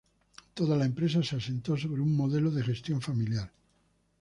Toda la empresa se asentó sobre un modelo de gestión familiar.